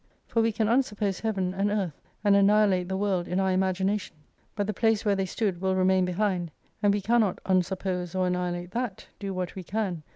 For we can unsuppose Heaven, and Earth and annihilate the world in our imagination, but the place where they stood will remain behind, and we cannot unsuppose or annihilate that, do what we can.